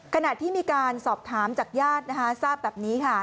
ขณะที่มีการสอบถามจากญาตินะคะทราบแบบนี้ค่ะ